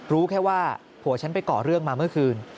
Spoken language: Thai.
รู้แค่ว่าผัวฉันไปก่อเรื่องมาเมื่อคืน